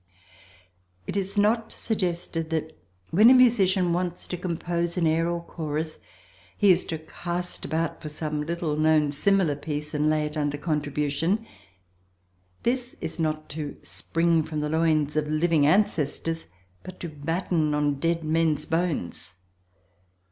It is not suggested that when a musician wants to compose an air or chorus he is to cast about for some little known similar piece and lay it under contribution. This is not to spring from the loins of living ancestors but to batten on dead men's bones.